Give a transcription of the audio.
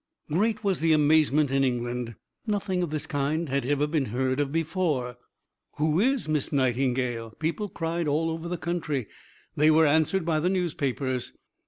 Great was the amazement in England. Nothing of this kind had ever been heard of before. "Who is Miss Nightingale?" people cried all over the country. They were answered by the newspapers.